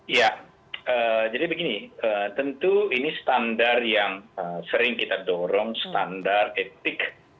ya jadi begini tentu ini standar yang sering kita dorong standar etik